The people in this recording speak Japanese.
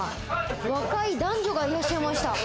若い男女がいらっしゃいました。